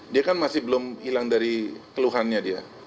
dia kan masih belum hilang dari keluhannya dia